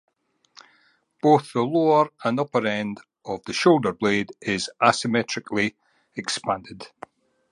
Both the lower and upper end of the shoulder blade is asymmetrically expanded.